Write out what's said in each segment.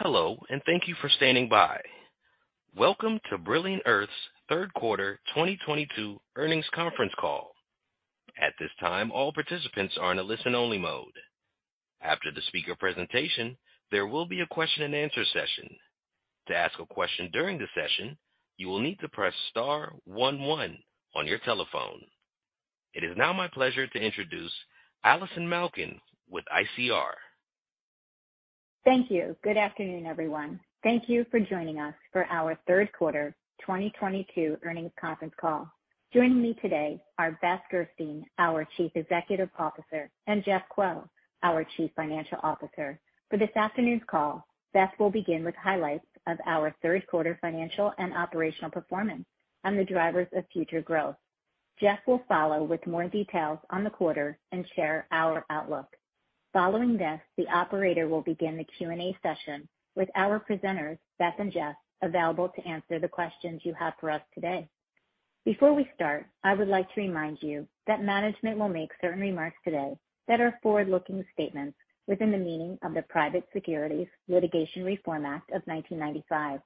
Hello, and thank you for standing by. Welcome to Brilliant Earth's third quarter 2022 Earnings Conference Call. At this time, all participants are in a listen-only mode. After the speaker presentation, there will be a question-and-answer session. To ask a question during the session, you will need to press star one one on your telephone. It is now my pleasure to introduce Allison Malkin with ICR. Thank you. Good afternoon, everyone. Thank you for joining us for our third quarter 2022 earnings conference call. Joining me today are Beth Gerstein, our Chief Executive Officer, and Jeff Kuo, our Chief Financial Officer. For this afternoon's call, Beth will begin with highlights of our third quarter financial and operational performance and the drivers of future growth. Jeff will follow with more details on the quarter and share our outlook. Following this, the operator will begin the Q&A session with our presenters, Beth and Jeff, available to answer the questions you have for us today. Before we start, I would like to remind you that management will make certain remarks today that are forward-looking statements within the meaning of the Private Securities Litigation Reform Act of 1995.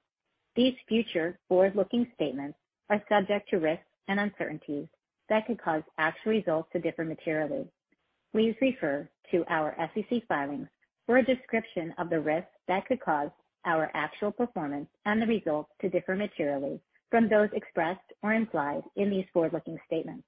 These future forward-looking statements are subject to risks and uncertainties that could cause actual results to differ materially. Please refer to our SEC filings for a description of the risks that could cause our actual performance and the results to differ materially from those expressed or implied in these forward-looking statements.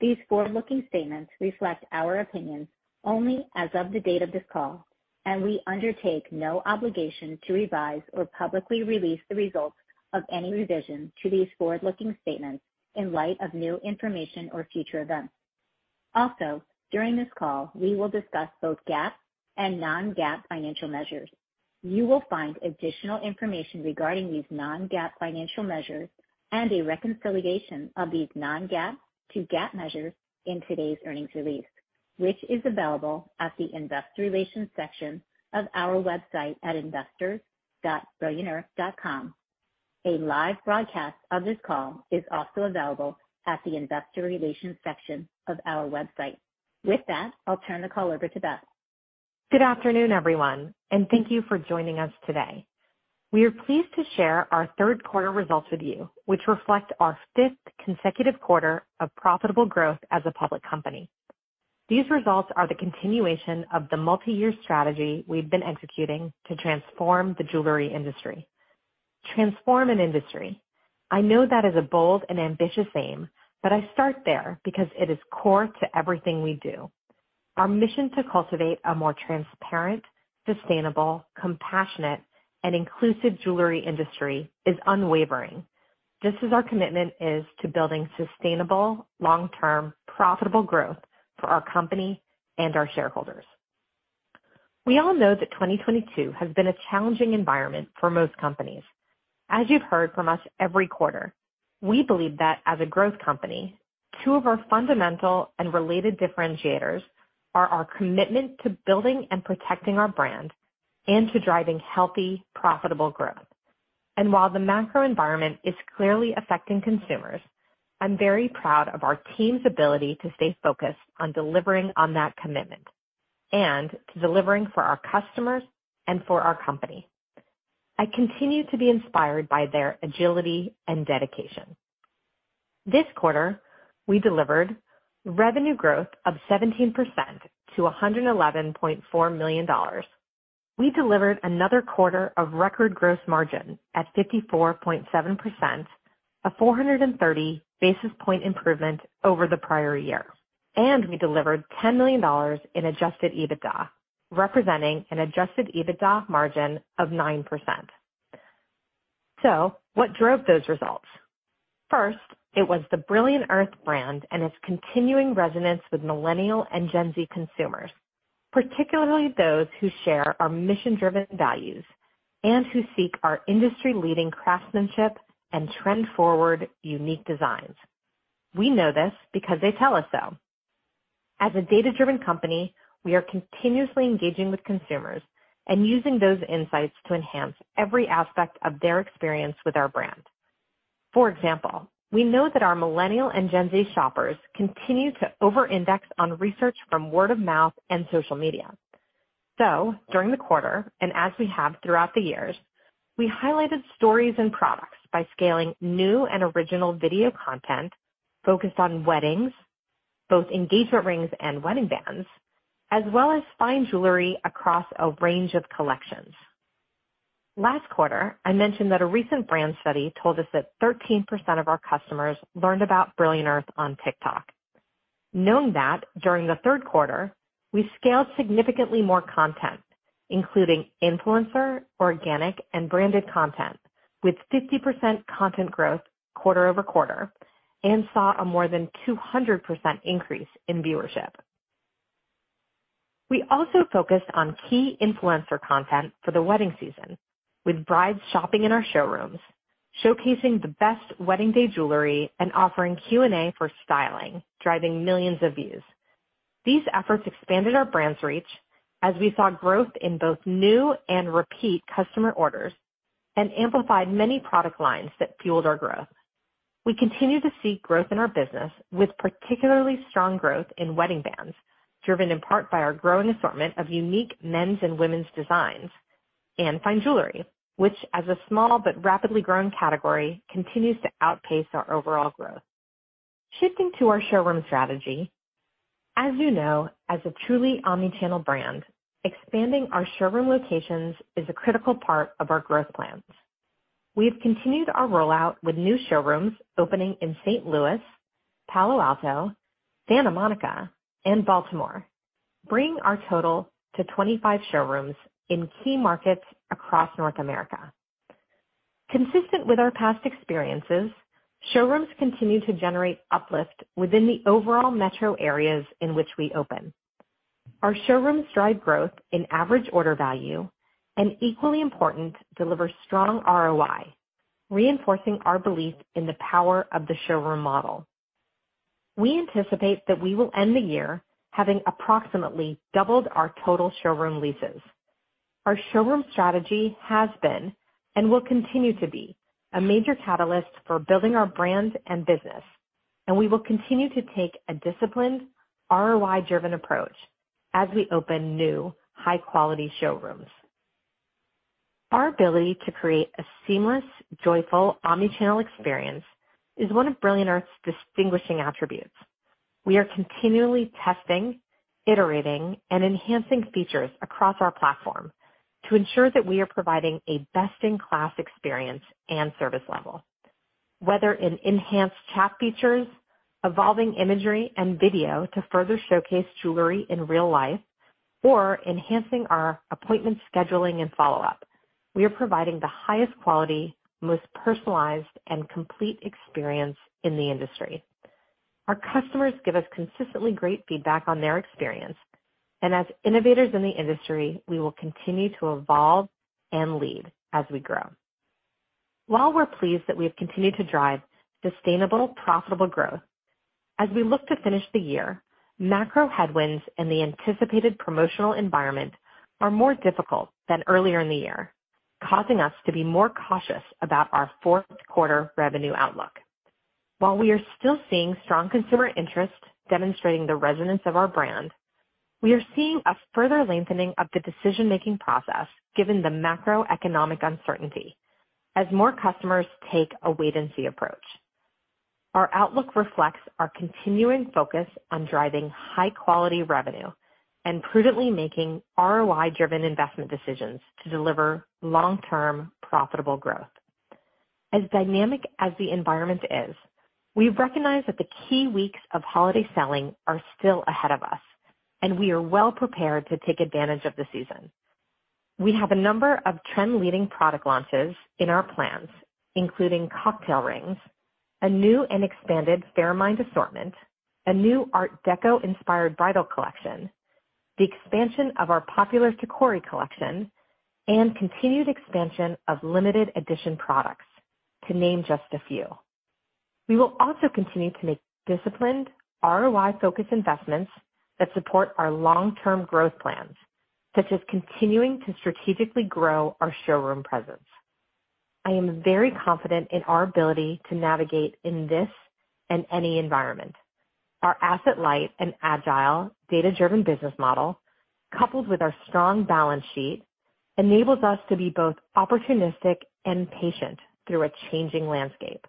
These forward-looking statements reflect our opinions only as of the date of this call, and we undertake no obligation to revise or publicly release the results of any revision to these forward-looking statements in light of new information or future events. Also, during this call, we will discuss both GAAP and Non-GAAP financial measures. You will find additional information regarding these Non-GAAP financial measures and a reconciliation of these Non-GAAP to GAAP measures in today's earnings release, which is available at the investor relations section of our website at investors.brilliantearth.com. A live broadcast of this call is also available at the investor relations section of our website. With that, I'll turn the call over to Beth. Good afternoon, everyone, and thank you for joining us today. We are pleased to share our third quarter results with you, which reflect our fifth consecutive quarter of profitable growth as a public company. These results are the continuation of the multi-year strategy we've been executing to transform the jewelry industry. Transform an industry. I know that is a bold and ambitious aim, but I start there because it is core to everything we do. Our mission to cultivate a more transparent, sustainable, compassionate, and inclusive jewelry industry is unwavering. Just as our commitment is to building sustainable, long-term, profitable growth for our company and our shareholders. We all know that 2022 has been a challenging environment for most companies. As you've heard from us every quarter, we believe that as a growth company, two of our fundamental and related differentiators are our commitment to building and protecting our brand and to driving healthy, profitable growth. While the macro environment is clearly affecting consumers, I'm very proud of our team's ability to stay focused on delivering on that commitment and to delivering for our customers and for our company. I continue to be inspired by their agility and dedication. This quarter, we delivered revenue growth of 17% to $111.4 million. We delivered another quarter of record gross margin at 54.7%, a 430 basis point improvement over the prior year. We delivered $10 million in adjusted EBITDA, representing an adjusted EBITDA margin of 9%. What drove those results? First, it was the Brilliant Earth brand and its continuing resonance with millennial and Gen Z consumers, particularly those who share our mission-driven values and who seek our industry-leading craftsmanship and trend-forward, unique designs. We know this because they tell us so. As a data-driven company, we are continuously engaging with consumers and using those insights to enhance every aspect of their experience with our brand. For example, we know that our millennial and Gen Z shoppers continue to over-index on research from word of mouth and social media. During the quarter, and as we have throughout the years, we highlighted stories and products by scaling new and original video content focused on weddings, both engagement rings and wedding bands, as well as fine jewelry across a range of collections. Last quarter, I mentioned that a recent brand study told us that 13% of our customers learned about Brilliant Earth on TikTok. Knowing that, during the third quarter, we scaled significantly more content, including influencer, organic, and branded content, with 50% content growth quarter-over-quarter, and saw a more than 200% increase in viewership. We also focused on key influencer content for the wedding season, with brides shopping in our showrooms, showcasing the best wedding day jewelry, and offering Q&A for styling, driving millions of views. These efforts expanded our brand's reach as we saw growth in both new and repeat customer orders and amplified many product lines that fueled our growth. We continue to see growth in our business with particularly strong growth in wedding bands, driven in part by our growing assortment of unique men's and women's designs and fine jewelry, which, as a small but rapidly growing category, continues to outpace our overall growth. Shifting to our showroom strategy. As you know, as a truly omni-channel brand, expanding our showroom locations is a critical part of our growth plans. We have continued our rollout with new showrooms opening in St. Louis, Palo Alto, Santa Monica, and Baltimore, bringing our total to 25 showrooms in key markets across North America. Consistent with our past experiences, showrooms continue to generate uplift within the overall metro areas in which we open. Our showrooms drive growth in average order value and, equally important, deliver strong ROI, reinforcing our belief in the power of the showroom model. We anticipate that we will end the year having approximately doubled our total showroom leases. Our showroom strategy has been, and will continue to be, a major catalyst for building our brand and business, and we will continue to take a disciplined ROI-driven approach as we open new high-quality showrooms. Our ability to create a seamless, joyful, omni-channel experience is one of Brilliant Earth's distinguishing attributes. We are continually testing, iterating, and enhancing features across our platform to ensure that we are providing a best-in-class experience and service level. Whether in enhanced chat features, evolving imagery and video to further showcase jewelry in real life, or enhancing our appointment scheduling and follow-up, we are providing the highest quality, most personalized, and complete experience in the industry. Our customers give us consistently great feedback on their experience, and as innovators in the industry, we will continue to evolve and lead as we grow. While we're pleased that we have continued to drive sustainable, profitable growth, as we look to finish the year, macro headwinds and the anticipated promotional environment are more difficult than earlier in the year, causing us to be more cautious about our fourth quarter revenue outlook. While we are still seeing strong consumer interest demonstrating the resonance of our brand, we are seeing a further lengthening of the decision-making process given the macroeconomic uncertainty as more customers take a wait-and-see approach. Our outlook reflects our continuing focus on driving high-quality revenue and prudently making ROI-driven investment decisions to deliver long-term profitable growth. As dynamic as the environment is, we recognize that the key weeks of holiday selling are still ahead of us, and we are well-prepared to take advantage of the season. We have a number of trend-leading product launches in our plans, including cocktail rings, a new and expanded Fairmined assortment, a new art deco-inspired bridal collection, the expansion of our popular Tacori collection, and continued expansion of limited edition products, to name just a few. We will also continue to make disciplined, ROI-focused investments that support our long-term growth plans, such as continuing to strategically grow our showroom presence. I am very confident in our ability to navigate in this and any environment. Our asset-light and agile data-driven business model, coupled with our strong balance sheet, enables us to be both opportunistic and patient through a changing landscape.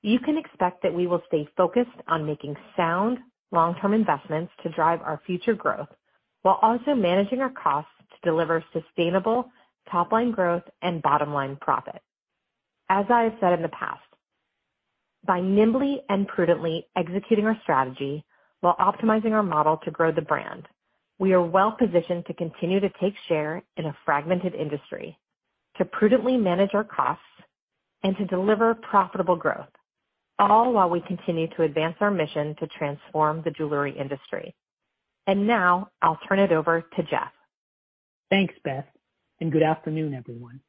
You can expect that we will stay focused on making sound long-term investments to drive our future growth while also managing our costs to deliver sustainable top-line growth and bottom-line profit. As I have said in the past, by nimbly and prudently executing our strategy while optimizing our model to grow the brand, we are well-positioned to continue to take share in a fragmented industry, to prudently manage our costs, and to deliver profitable growth, all while we continue to advance our mission to transform the jewelry industry. Now I'll turn it over to Jeff. Thanks, Beth, and good afternoon, everyone.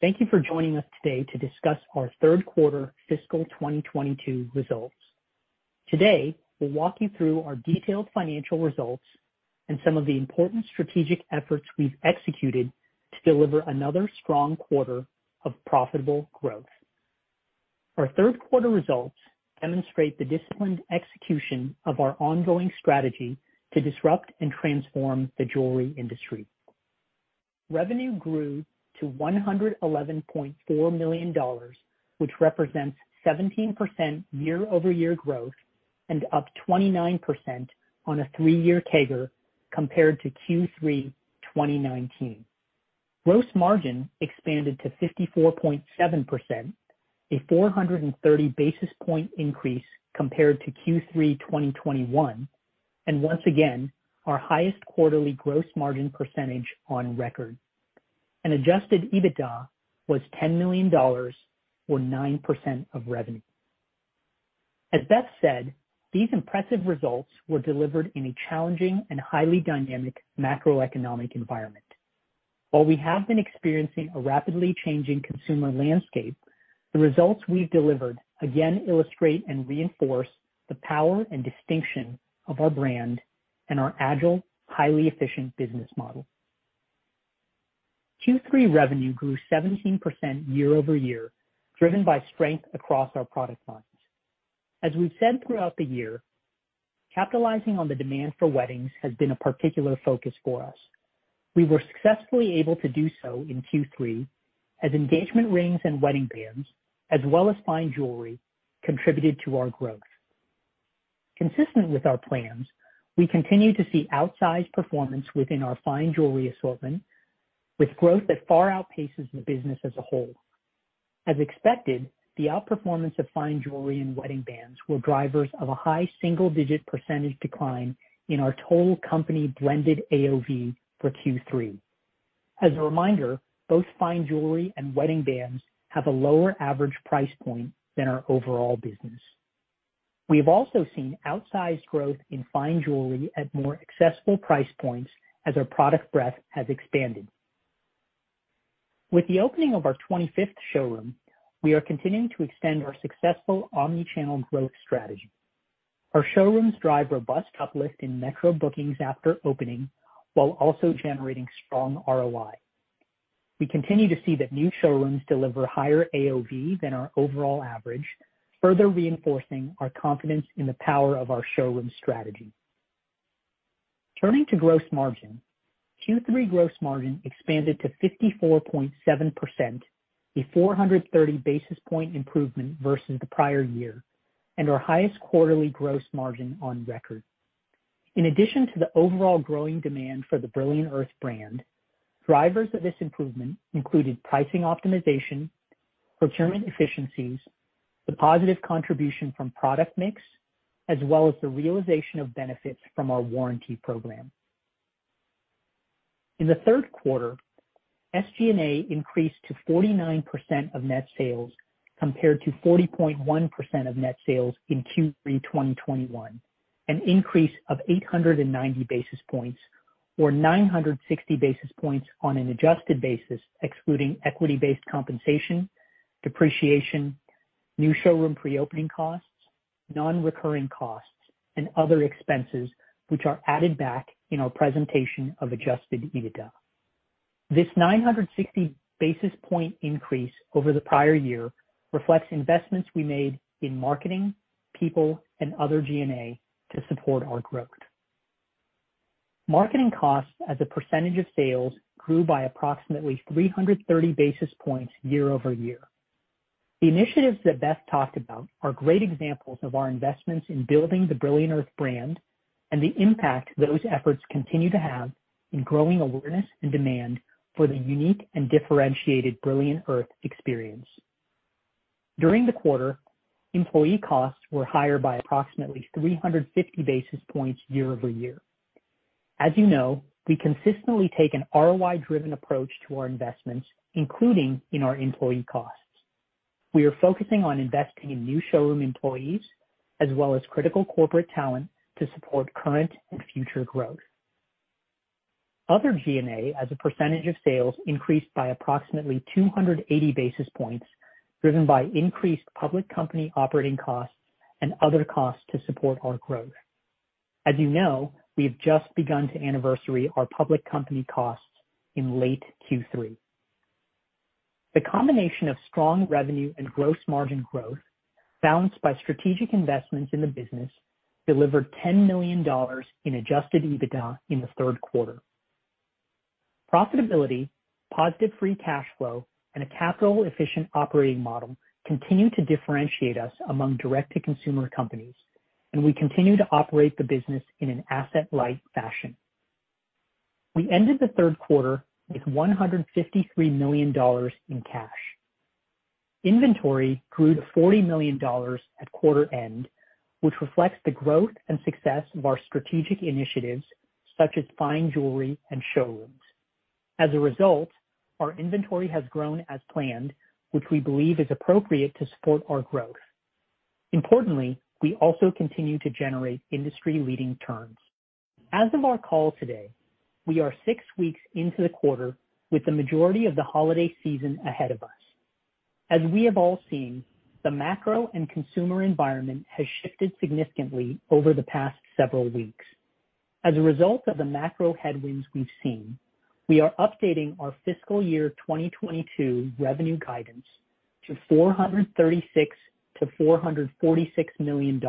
Thank you for joining us today to discuss our third quarter fiscal 2022 results. Today, we'll walk you through our detailed financial results and some of the important strategic efforts we've executed to deliver another strong quarter of profitable growth. Our third quarter results demonstrate the disciplined execution of our ongoing strategy to disrupt and transform the jewelry industry. Revenue grew to $111.4 million, which represents 17% year-over-year growth and up 29% on a three-year CAGR compared to Q3 2019. Gross margin expanded to 54.7%, a 430 basis point increase compared to Q3 2021, and once again, our highest quarterly gross margin percentage on record. Adjusted EBITDA was $10 million or 9% of revenue. As Beth said, these impressive results were delivered in a challenging and highly dynamic macroeconomic environment. While we have been experiencing a rapidly changing consumer landscape, the results we've delivered again illustrate and reinforce the power and distinction of our brand and our agile, highly efficient business model. Q3 revenue grew 17% year-over-year, driven by strength across our product lines. As we've said throughout the year, capitalizing on the demand for weddings has been a particular focus for us. We were successfully able to do so in Q3 as engagement rings and wedding bands, as well as fine jewelry, contributed to our growth. Consistent with our plans, we continue to see outsized performance within our fine jewelry assortment, with growth that far outpaces the business as a whole. As expected, the outperformance of fine jewelry and wedding bands were drivers of a high single-digit % decline in our total company blended AOV for Q3. As a reminder, both fine jewelry and wedding bands have a lower average price point than our overall business. We have also seen outsized growth in fine jewelry at more accessible price points as our product breadth has expanded. With the opening of our 25th showroom, we are continuing to extend our successful omni-channel growth strategy. Our showrooms drive robust uplift in metro bookings after opening while also generating strong ROI. We continue to see that new showrooms deliver higher AOV than our overall average, further reinforcing our confidence in the power of our showroom strategy. Turning to gross margin, Q3 gross margin expanded to 54.7%, a 430 basis point improvement versus the prior year, and our highest quarterly gross margin on record. In addition to the overall growing demand for the Brilliant Earth brand, drivers of this improvement included pricing optimization, procurement efficiencies, the positive contribution from product mix, as well as the realization of benefits from our warranty program. In the third quarter, SG&A increased to 49% of net sales, compared to 40.1% of net sales in Q3 2021, an increase of 890 basis points or 960 basis points on an adjusted basis, excluding equity-based compensation, depreciation, new showroom pre-opening costs, non-recurring costs, and other expenses which are added back in our presentation of adjusted EBITDA. This 960 basis point increase over the prior year reflects investments we made in marketing, people, and other G&A to support our growth. Marketing costs as a percentage of sales grew by approximately 330 basis points year-over-year. The initiatives that Beth talked about are great examples of our investments in building the Brilliant Earth brand and the impact those efforts continue to have in growing awareness and demand for the unique and differentiated Brilliant Earth experience. During the quarter, employee costs were higher by approximately 350 basis points year-over-year. As you know, we consistently take an ROI-driven approach to our investments, including in our employee costs. We are focusing on investing in new showroom employees as well as critical corporate talent to support current and future growth. Other G&A as a percentage of sales increased by approximately 280 basis points, driven by increased public company operating costs and other costs to support our growth. As you know, we have just begun to anniversary our public company costs in late Q3. The combination of strong revenue and gross margin growth, balanced by strategic investments in the business, delivered $10 million in adjusted EBITDA in the third quarter. Profitability, positive free cash flow, and a capital-efficient operating model continue to differentiate us among direct-to-consumer companies, and we continue to operate the business in an asset-light fashion. We ended the third quarter with $153 million in cash. Inventory grew to $40 million at quarter end, which reflects the growth and success of our strategic initiatives, such as fine jewelry and showrooms. As a result, our inventory has grown as planned, which we believe is appropriate to support our growth. Importantly, we also continue to generate industry-leading turns. As of our call today, we are six weeks into the quarter with the majority of the holiday season ahead of us. As we have all seen, the macro and consumer environment has shifted significantly over the past several weeks. As a result of the macro headwinds we've seen, we are updating our fiscal year 2022 revenue guidance to $436 million-$446 million,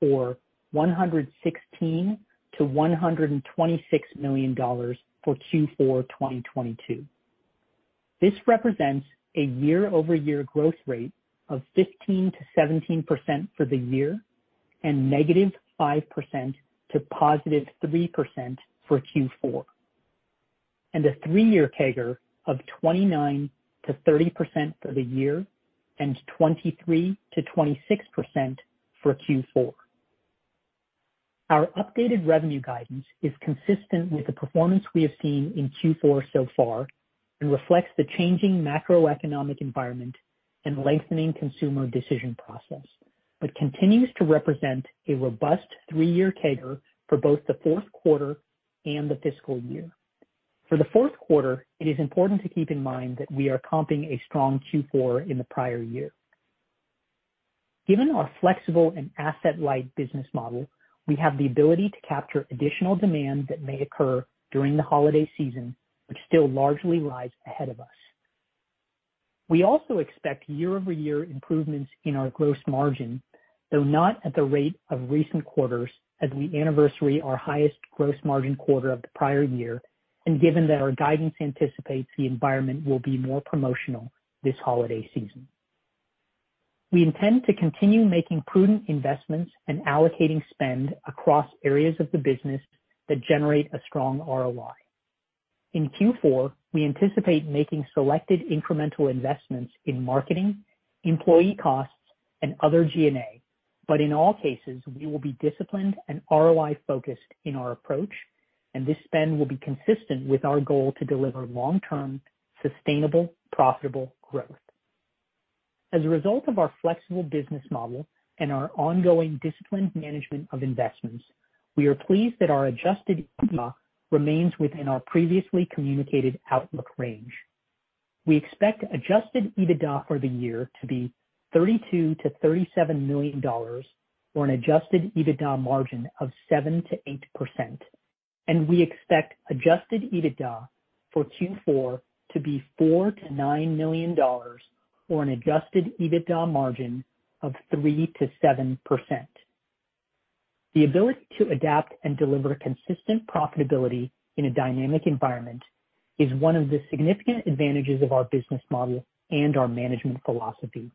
or $116 million-$126 million for Q4 2022. This represents a year-over-year growth rate of 15%-17% for the year and -5% to +3% for Q4, and a three-year CAGR of 29%-30% for the year and 23%-26% for Q4. Our updated revenue guidance is consistent with the performance we have seen in Q4 so far and reflects the changing macroeconomic environment and lengthening consumer decision process, but continues to represent a robust three-year CAGR for both the fourth quarter and the fiscal year. For the fourth quarter, it is important to keep in mind that we are comping a strong Q4 in the prior year. Given our flexible and asset light business model, we have the ability to capture additional demand that may occur during the holiday season, which still largely lies ahead of us. We also expect year-over-year improvements in our gross margin, though not at the rate of recent quarters as we anniversary our highest gross margin quarter of the prior year, and given that our guidance anticipates the environment will be more promotional this holiday season. We intend to continue making prudent investments and allocating spend across areas of the business that generate a strong ROI. In Q4, we anticipate making selected incremental investments in marketing, employee costs and other G&A, but in all cases we will be disciplined and ROI-focused in our approach, and this spend will be consistent with our goal to deliver long-term sustainable, profitable growth. As a result of our flexible business model and our ongoing disciplined management of investments, we are pleased that our adjusted EBITDA remains within our previously communicated outlook range. We expect adjusted EBITDA for the year to be $32 million-$37 million, or an adjusted EBITDA margin of 7%-8%. We expect adjusted EBITDA for Q4 to be $4 million-$9 million or an adjusted EBITDA margin of 3%-7%. The ability to adapt and deliver consistent profitability in a dynamic environment is one of the significant advantages of our business model and our management philosophy.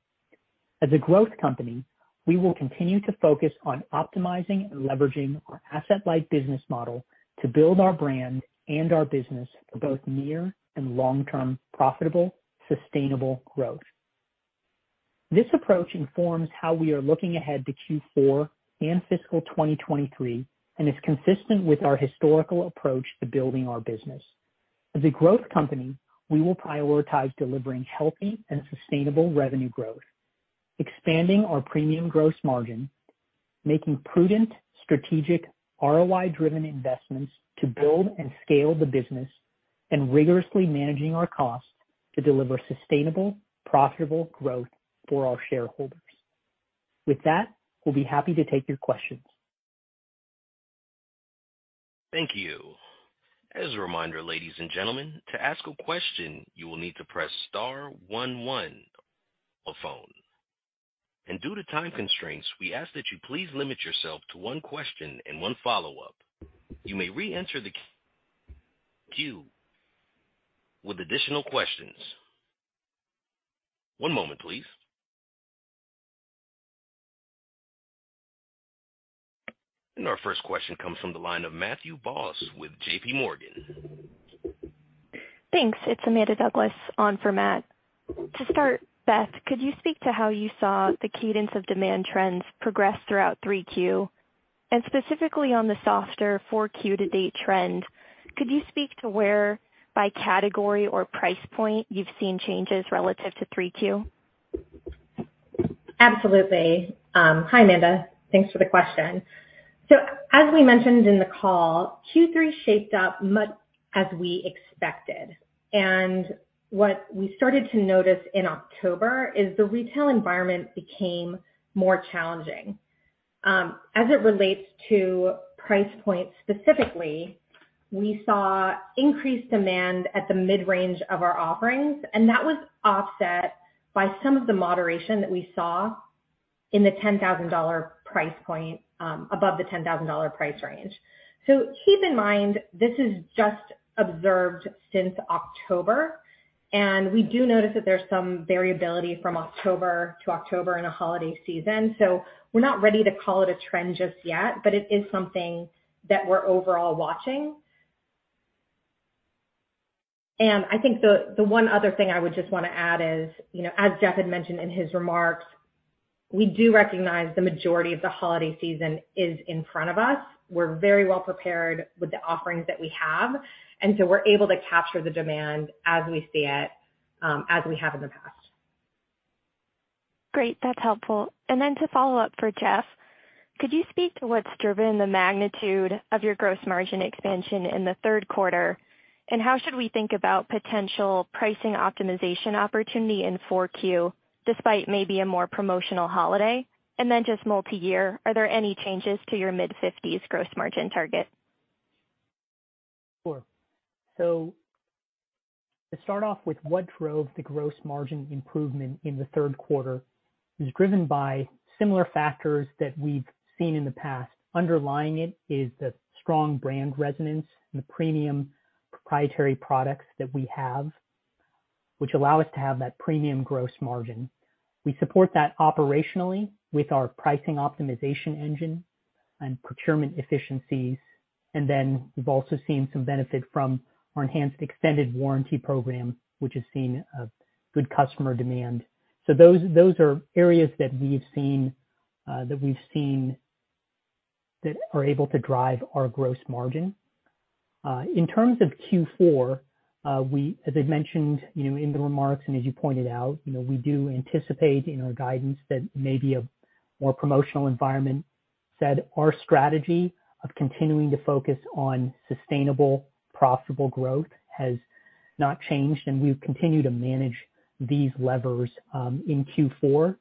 As a growth company, we will continue to focus on optimizing and leveraging our asset-light business model to build our brand and our business for both near and long-term profitable, sustainable growth. This approach informs how we are looking ahead to Q4 and fiscal 2023, and is consistent with our historical approach to building our business. As a growth company, we will prioritize delivering healthy and sustainable revenue growth, expanding our premium gross margin, making prudent strategic ROI driven investments to build and scale the business, and rigorously managing our costs to deliver sustainable, profitable growth for our shareholders. With that, we'll be happy to take your questions. Thank you. As a reminder, ladies and gentlemen, to ask a question, you will need to press star one one on phone. Due to time constraints, we ask that you please limit yourself to one question and one follow-up. You may re-enter the queue with additional questions. One moment, please. Our first question comes from the line of Matthew Boss with J.P. Morgan. Thanks. It's Amanda Douglas on for Matt. To start, Beth, could you speak to how you saw the cadence of demand trends progress throughout three Q? Specifically on the softer four Q to date trend, could you speak to where by category or price point you've seen changes relative to three Q? Absolutely. Hi, Amanda. Thanks for the question. As we mentioned in the call, Q3 shaped up much as we expected. What we started to notice in October is the retail environment became more challenging. As it relates to price points specifically, we saw increased demand at the mid-range of our offerings, and that was offset by some of the moderation that we saw in the $10,000 price point above the $10,000 price range. Keep in mind, this is just observed since October, and we do notice that there's some variability from October to October in a holiday season. We're not ready to call it a trend just yet, but it is something that we're overall watching. I think the one other thing I would just wanna add is, you know, as Jeff had mentioned in his remarks, we do recognize the majority of the holiday season is in front of us. We're very well prepared with the offerings that we have, and so we're able to capture the demand as we see it, as we have in the past. Great, that's helpful. Then to follow up for Jeff, could you speak to what's driven the magnitude of your gross margin expansion in the third quarter? How should we think about potential pricing optimization opportunity in 4Q, despite maybe a more promotional holiday? Then just multi-year, are there any changes to your mid-fifties gross margin target? Sure. To start off with what drove the gross margin improvement in the third quarter, it was driven by similar factors that we've seen in the past. Underlying it is the strong brand resonance and the premium proprietary products that we have, which allow us to have that premium gross margin. We support that operationally with our pricing optimization engine and procurement efficiencies. And then we've also seen some benefit from our enhanced extended warranty program, which has seen a good customer demand. Those are areas that we've seen that are able to drive our gross margin. In terms of Q4, as I mentioned, you know, in the remarks and as you pointed out, you know, we do anticipate in our guidance that maybe a more promotional environment. Our strategy of continuing to focus on sustainable, profitable growth has not changed, and we've continued to manage these levers in Q4,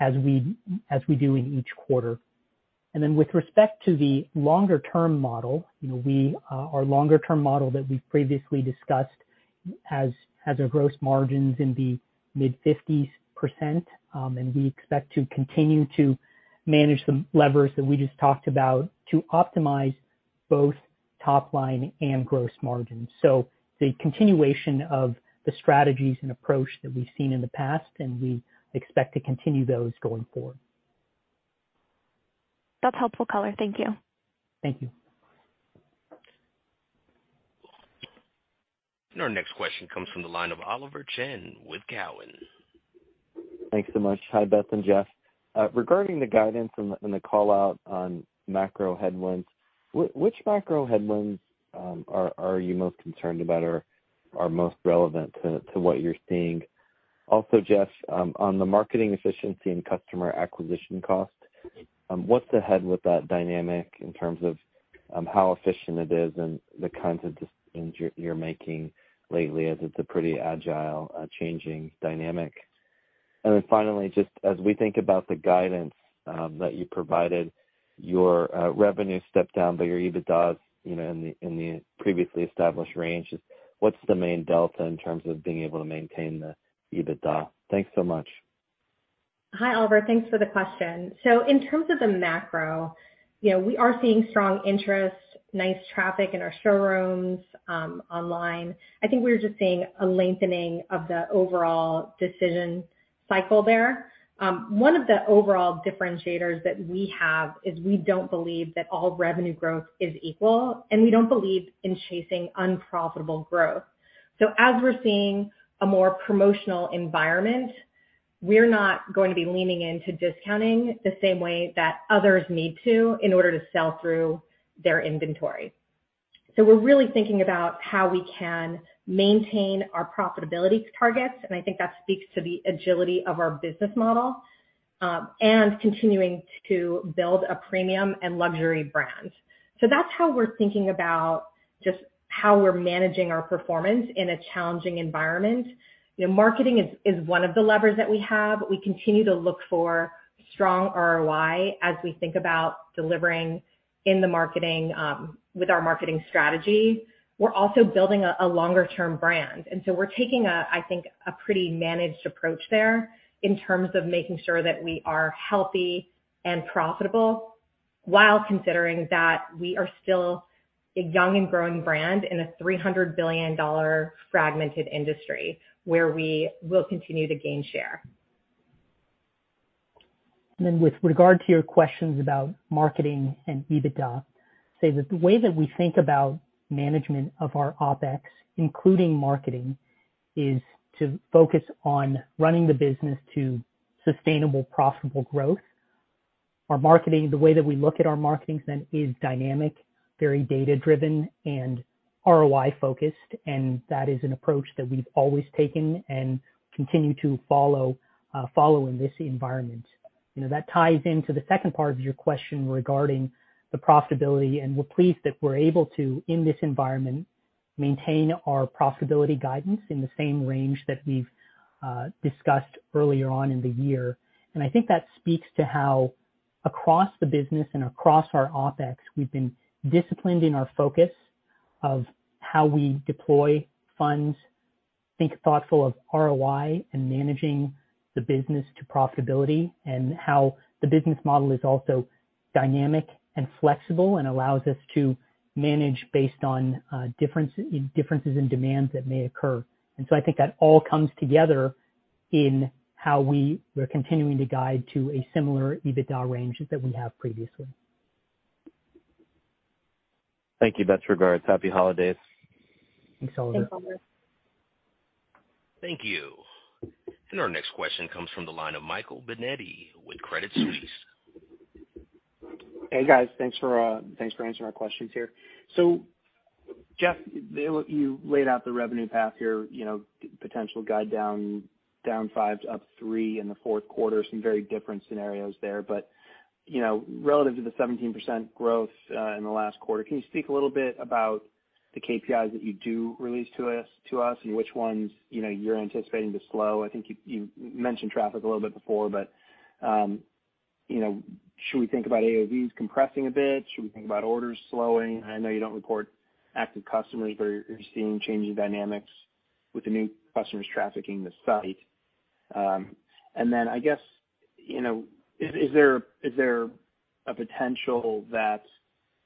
as we do in each quarter. With respect to the longer-term model, you know, our longer-term model that we've previously discussed has our gross margins in the mid-50s%, and we expect to continue to manage the levers that we just talked about to optimize both top line and gross margins. The continuation of the strategies and approach that we've seen in the past, and we expect to continue those going forward. That's helpful color. Thank you. Thank you. Our next question comes from the line of Oliver Chen with Cowen. Thanks so much. Hi, Beth and Jeff. Regarding the guidance and the call out on macro headwinds, which macro headwinds are you most concerned about, are most relevant to what you're seeing? Also, Jeff, on the marketing efficiency and customer acquisition cost, what's ahead with that dynamic in terms of how efficient it is and the kinds of decisions you're making lately as it's a pretty agile changing dynamic? Finally, just as we think about the guidance that you provided, your revenue stepped down, but your EBITDA, you know, in the previously established range, just what's the main delta in terms of being able to maintain the EBITDA? Thanks so much. Hi, Oliver. Thanks for the question. In terms of the macro, you know, we are seeing strong interest, nice traffic in our showrooms, online. I think we're just seeing a lengthening of the overall decision cycle there. One of the overall differentiators that we have is we don't believe that all revenue growth is equal, and we don't believe in chasing unprofitable growth. As we're seeing a more promotional environment, we're not going to be leaning into discounting the same way that others need to in order to sell through their inventory. We're really thinking about how we can maintain our profitability targets, and I think that speaks to the agility of our business model, and continuing to build a premium and luxury brand. That's how we're thinking about just how we're managing our performance in a challenging environment. You know, marketing is one of the levers that we have. We continue to look for strong ROI as we think about delivering in the marketing with our marketing strategy. We're also building a longer-term brand, and so we're taking a, I think, a pretty managed approach there in terms of making sure that we are healthy and profitable, while considering that we are still a young and growing brand in a $300 billion fragmented industry where we will continue to gain share. Then with regard to your questions about marketing and EBITDA, say that the way that we think about management of our OpEx, including marketing, is to focus on running the business to sustainable, profitable growth. Our marketing, the way that we look at our marketing spend is dynamic, very data-driven, and ROI-focused, and that is an approach that we've always taken and continue to follow in this environment. You know, that ties into the second part of your question regarding the profitability, and we're pleased that we're able to, in this environment, maintain our profitability guidance in the same range that we've discussed earlier on in the year. I think that speaks to how across the business and across our OpEx, we've been disciplined in our focus of how we deploy funds, think thoughtful of ROI and managing the business to profitability, and how the business model is also dynamic and flexible and allows us to manage based on differences in demands that may occur. I think that all comes together in how we are continuing to guide to a similar EBITDA range that we have previously. Thank you, Beth. Regards. Happy holidays. Thanks, Oliver. Thanks, Oliver. Thank you. Our next question comes from the line of Michael Binetti with Credit Suisse. Hey, guys. Thanks for answering our questions here. Jeff, you laid out the revenue path here, you know, potential guide down five to up three in the fourth quarter, some very different scenarios there. You know, relative to the 17% growth in the last quarter, can you speak a little bit about the KPIs that you do release to us and which ones, you know, you're anticipating to slow? I think you mentioned traffic a little bit before, but you know, should we think about AOV compressing a bit? Should we think about orders slowing? I know you don't report active customers, but are you seeing changing dynamics with the new customer traffic in the site? I guess, you know, is there a potential that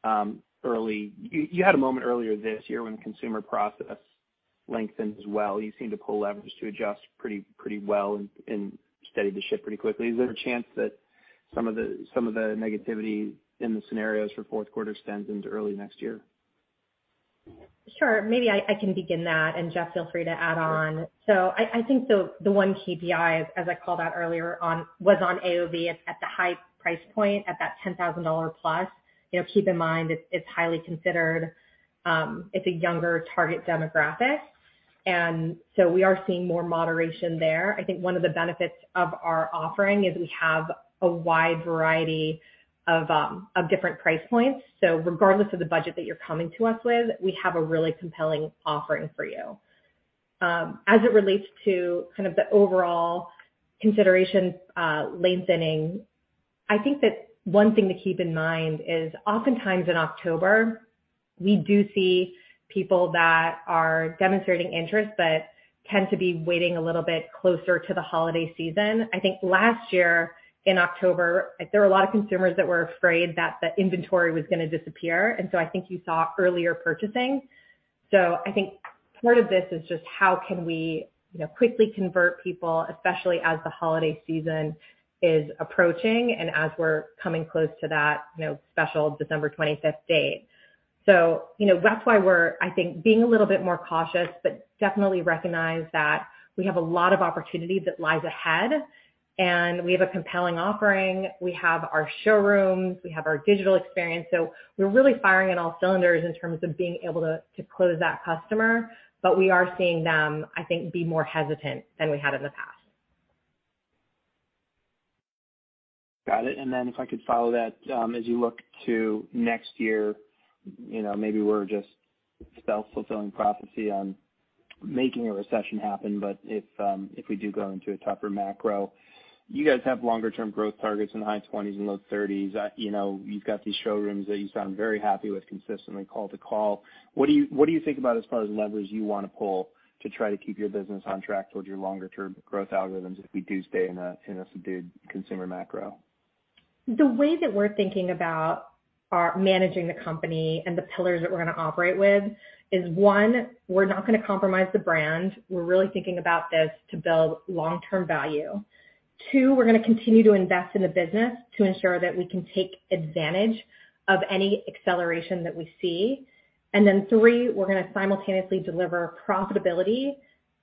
early. You had a moment earlier this year when consumer process lengthened as well. You seemed to pull levers to adjust pretty well and steady the ship pretty quickly. Is there a chance that some of the negativity in the scenarios for fourth quarter extends into early next year? Sure. Maybe I can begin that and Jeff feel free to add on. I think the one KPI, as I called out earlier on, was on AOV at the high price point, at that $10,000 plus. You know, keep in mind, it's highly considered, it's a younger target demographic. We are seeing more moderation there. I think one of the benefits of our offering is we have a wide variety of different price points. Regardless of the budget that you're coming to us with, we have a really compelling offering for you. As it relates to kind of the overall consideration, lengthening, I think that one thing to keep in mind is oftentimes in October, we do see people that are demonstrating interest but tend to be waiting a little bit closer to the holiday season. I think last year in October, there were a lot of consumers that were afraid that the inventory was gonna disappear, and so I think you saw earlier purchasing. I think part of this is just how can we, you know, quickly convert people, especially as the holiday season is approaching and as we're coming close to that, you know, special December twenty-fifth date. You know, that's why we're, I think, being a little bit more cautious, but definitely recognize that we have a lot of opportunity that lies ahead, and we have a compelling offering. We have our showrooms, we have our digital experience. We're really firing on all cylinders in terms of being able to close that customer, but we are seeing them, I think, be more hesitant than we had in the past. Got it. Then if I could follow that, as you look to next year, you know, maybe we're just self-fulfilling prophecy on making a recession happen. But if we do go into a tougher macro, you guys have longer-term growth targets in the high 20s% and low 30s%. You know, you've got these showrooms that you sound very happy with consistently call to call. What do you think about as far as levers you wanna pull to try to keep your business on track towards your longer-term growth algorithms if we do stay in a subdued consumer macro? The way that we're thinking about our managing the company and the pillars that we're gonna operate with is, one, we're not gonna compromise the brand. We're really thinking about this to build long-term value. Two, we're gonna continue to invest in the business to ensure that we can take advantage of any acceleration that we see. three, we're gonna simultaneously deliver profitability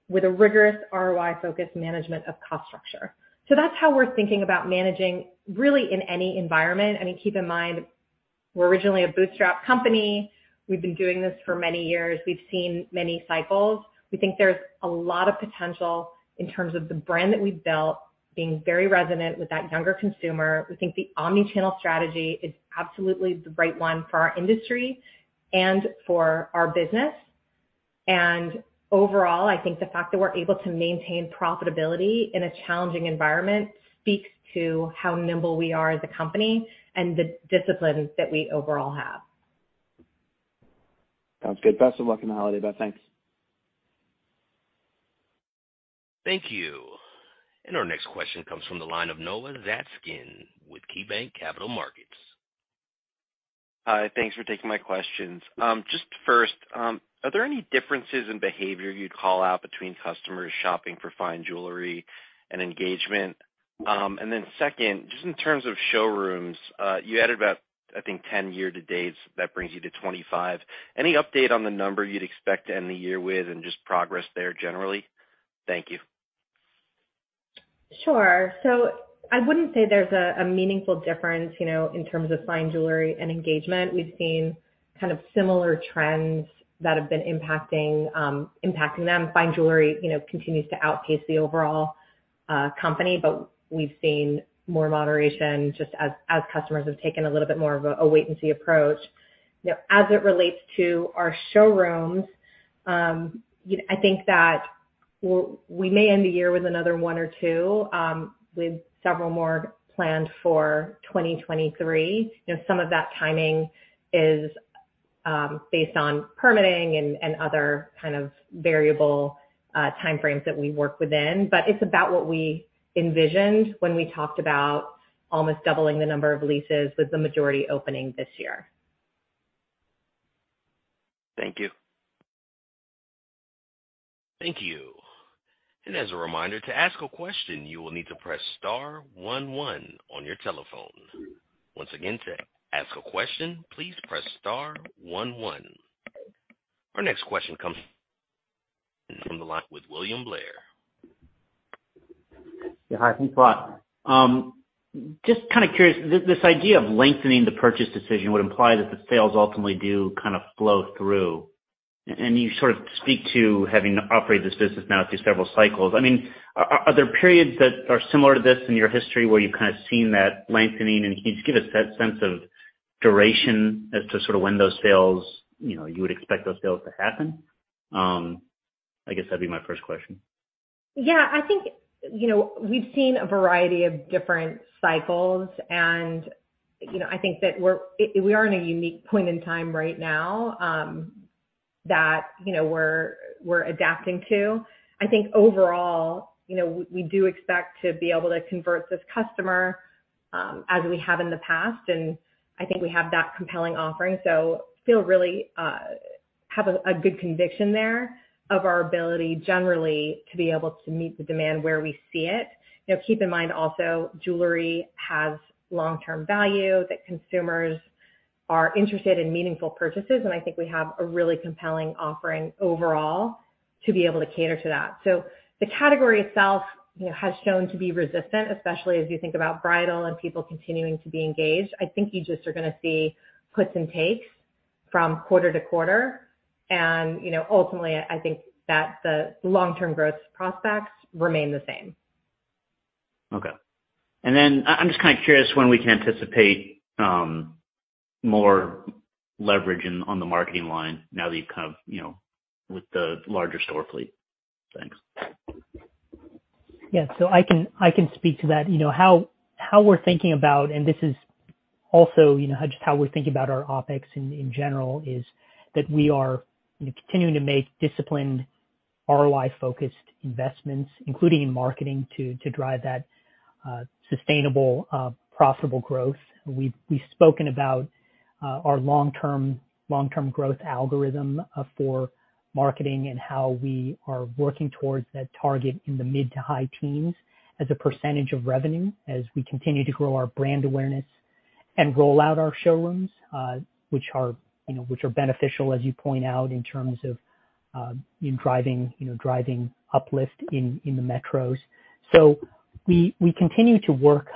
with a rigorous ROI-focused management of cost structure. That's how we're thinking about managing really in any environment. I mean, keep in mind, we're originally a bootstrap company. We've been doing this for many years. We've seen many cycles. We think there's a lot of potential in terms of the brand that we've built being very resonant with that younger consumer. We think the omni-channel strategy is absolutely the right one for our industry and for our business. Overall, I think the fact that we're able to maintain profitability in a challenging environment speaks to how nimble we are as a company and the disciplines that we overall have. Sounds good. Best of luck in the holiday, Beth. Thanks. Thank you. Our next question comes from the line of Noah Zatzkin with KeyBanc Capital Markets. Hi, thanks for taking my questions. Just first, are there any differences in behavior you'd call out between customers shopping for fine jewelry and engagement? Second, just in terms of showrooms, you added about, I think, 10 year-to-date. That brings you to 25. Any update on the number you'd expect to end the year with and just progress there generally? Thank you. Sure. I wouldn't say there's a meaningful difference, you know, in terms of fine jewelry and engagement. We've seen kind of similar trends that have been impacting them. Fine jewelry, you know, continues to outpace the overall company, but we've seen more moderation just as customers have taken a little bit more of a wait and see approach. You know, as it relates to our showrooms, I think that we may end the year with another one or two, with several more planned for 2023. You know, some of that timing is based on permitting and other kind of variable time frames that we work within. It's about what we envisioned when we talked about almost doubling the number of leases, with the majority opening this year. Thank you. Thank you. As a reminder, to ask a question, you will need to press star one one on your telephone. Once again, to ask a question, please press star one one. Our next question comes from the line with William Blair. Yeah. Hi. Thanks a lot. Just kinda curious. This idea of lengthening the purchase decision would imply that the sales ultimately do kind of flow through. You sort of speak to having operated this business now through several cycles. I mean, are there periods that are similar to this in your history where you've kinda seen that lengthening? Can you just give us a sense of duration as to sort of when those sales, you know, you would expect those sales to happen? I guess that'd be my first question. Yeah, I think, you know, we've seen a variety of different cycles, and, you know, I think that we are in a unique point in time right now, that, you know, we're adapting to. I think overall, you know, we do expect to be able to convert this customer, as we have in the past, and I think we have that compelling offering. So feel really, have a good conviction there of our ability generally to be able to meet the demand where we see it. You know, keep in mind also jewelry has long-term value, that consumers are interested in meaningful purchases, and I think we have a really compelling offering overall to be able to cater to that. So the category itself, you know, has shown to be resistant, especially as you think about bridal and people continuing to be engaged. I think you just are gonna see puts and takes from quarter to quarter. You know, ultimately, I think that the long-term growth prospects remain the same. Okay. I'm just kinda curious when we can anticipate more leverage on the marketing line now that you've kind of, you know, with the larger store fleet. Thanks. Yeah. I can speak to that. You know, how we're thinking about, and this is also, you know, just how we're thinking about our OpEx in general, is that we are, you know, continuing to make disciplined ROI-focused investments, including in marketing to drive that sustainable profitable growth. We've spoken about our long-term growth algorithm for marketing and how we are working towards that target in the mid- to high teens as a percentage of revenue as we continue to grow our brand awareness and roll out our showrooms, which are beneficial, as you point out, in terms of in driving, you know, driving uplift in the metros. We continue to work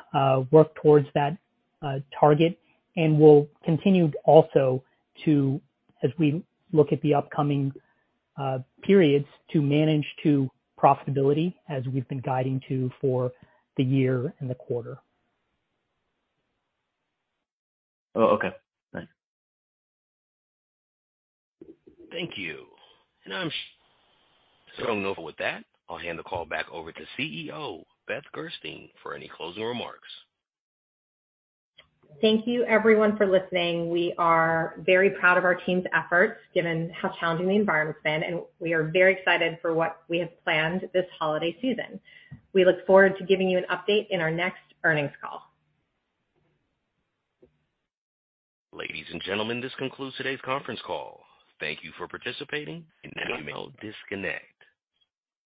towards that target, and we'll continue also, as we look at the upcoming periods, to manage to profitability as we've been guiding to for the year and the quarter. Oh, okay. Thanks. Thank you. With that, I'll hand the call back over to CEO, Beth Gerstein, for any closing remarks. Thank you everyone for listening. We are very proud of our team's efforts, given how challenging the environment's been, and we are very excited for what we have planned this holiday season. We look forward to giving you an update in our next earnings call. Ladies and gentlemen, this concludes today's conference call. Thank you for participating. You may now disconnect.